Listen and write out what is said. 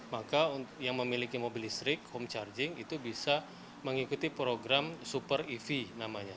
maka yang memiliki mobil listrik home charging itu bisa mengikuti program super ev namanya